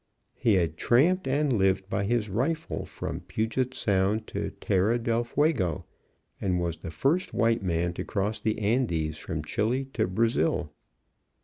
He had tramped and lived by his rifle from Puget Sound to Terra Del Fuego, and was the first white man to cross the Andes from Chili to Brazil.